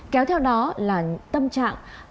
kéo theo đó là tâm trạng buồn